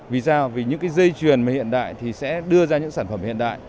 vì sao vì những cái dây truyền hiện đại thì sẽ đưa ra những sản phẩm hiện đại